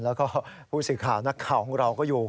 แล้วก็ผู้สื่อข่าวนักข่าวของเราก็อยู่